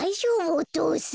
お父さん。